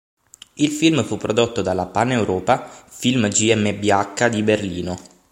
Il film fu prodotto dalla Pan Europa-Film GmbH di Berlino.